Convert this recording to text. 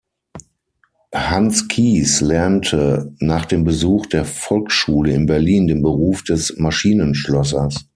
Hans Kies lernte nach dem Besuch der Volksschule in Berlin den Beruf des Maschinenschlossers.